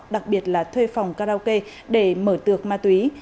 đặc biệt là thuê phòng karaoke để mở tược ma túy